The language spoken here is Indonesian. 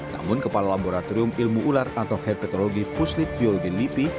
namun kepala laboratorium ilmu ular atau herpetologi puslit biologi nipi